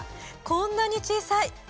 こんなに小さい！